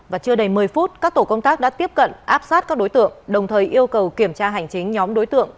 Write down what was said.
và chưa đầy một mươi phút các tổ công tác đã tiếp cận áp sát các đối tượng đồng thời yêu cầu kiểm tra hành chính nhóm đối tượng